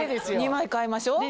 ２枚買いましょう。